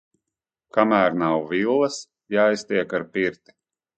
Kamēr nav villas, jāiztiek ar pirti.